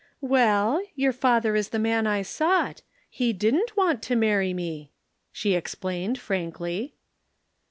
"Well? Your father is the man I sought. He didn't want to marry me," she explained frankly.